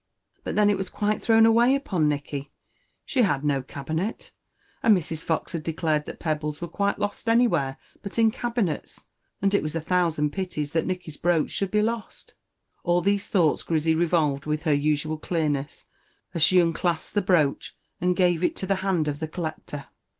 But then it was quite thrown away upon Nicky she had no cabinet, and Mrs. Fox had declared that pebbles were quite lost anywhere but in cabinets, and it was a thousand pities that Nicky's brooch should be lost. All these thoughts Grizzy revolved with her usual clearness, as she unclasped the brooch, and gave it into the hand of the collector.